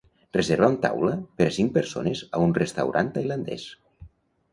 Reserva'm taula per a cinc persones a un restaurant tailandès.